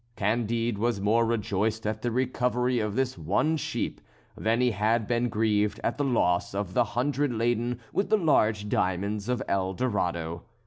Candide was more rejoiced at the recovery of this one sheep than he had been grieved at the loss of the hundred laden with the large diamonds of El Dorado.